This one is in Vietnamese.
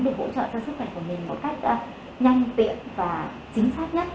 để hỗ trợ cho sức khỏe của mình một cách nhanh tiện và chính xác nhất